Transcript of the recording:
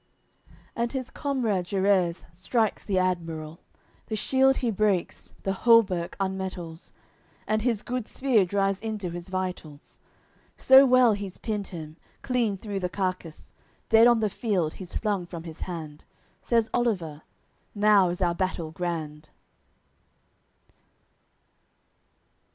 AOI. XCVII And his comrade Gerers strikes the admiral, The shield he breaks, the hauberk unmetals, And his good spear drives into his vitals, So well he's pinned him, clean through the carcass, Dead on the field he's flung him from his hand. Says Oliver: "Now is our battle grand."